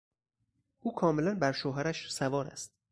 او کاملا بر شوهرش سوار است.